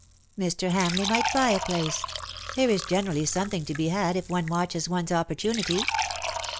Mr. Ham leigh might buy a place. There is generally some thing to be had if one watches one^s opportunity.